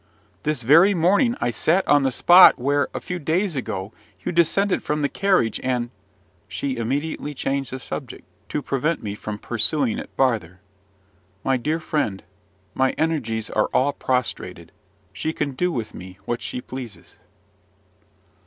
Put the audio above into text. This very morning I sat on the spot where, a few days ago, you descended from the carriage, and " She immediately changed the subject to prevent me from pursuing it farther. My dear friend, my energies are all prostrated: she can do with me what she pleases.